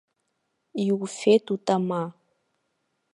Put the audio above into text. Иуфеит утама.